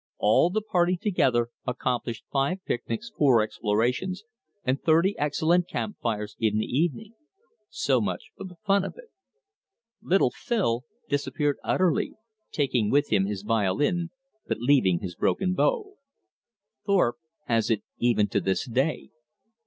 All the party together accomplished five picnics, four explorations, and thirty excellent campfires in the evening. So much for the fun of it. Little Phil disappeared utterly, taking with him his violin, but leaving his broken bow. Thorpe has it even to this day.